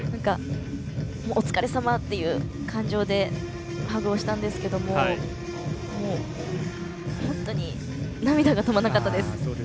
お疲れさまっていう感情でハグをしたんですけれども本当に涙が止まらなかったです。